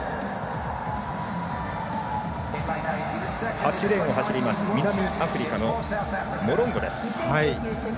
８レーン、南アフリカのモロンゴです。